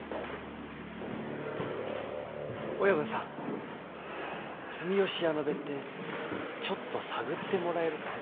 親分さん住吉屋の別邸ちょっと探ってもらえるかい？